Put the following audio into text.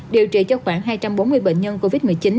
điều trị cho khoảng hai trăm bốn mươi bệnh nhân covid một mươi chín